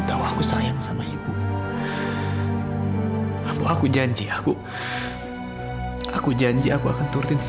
ya kan saya udah bilang kejutan